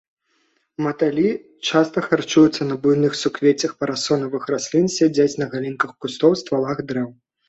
Матылі часта харчуюцца на буйных суквеццях парасонавых раслін, сядзяць на галінках кустоў, ствалах дрэў.